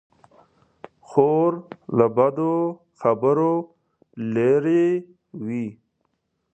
خور له بدو خبرو لیرې وي.